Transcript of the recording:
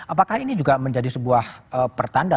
apakah ini juga menjadi sebuah pertanda